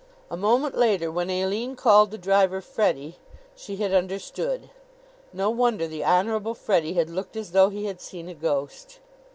A moment, later, when Aline called the driver Freddie, she had understood. No wonder the Honorable Freddie had looked as though he had seen a ghost.